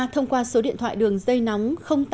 thông qua số điện thoại đường dây nóng